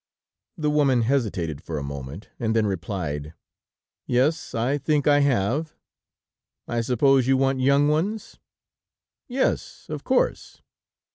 The woman hesitated for a moment, and then replied: "Yes, I think I have. I suppose you want young ones?" "Yes, of course."